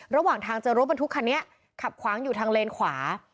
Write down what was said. ระหว่างทางเจอรถบรรทุกคันนี้ขับขวางอยู่ทางเลนขวา